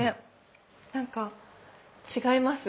何か違います。